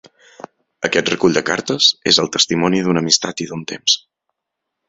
Aquest recull de cartes és el testimoni d’una amistat i d’un temps.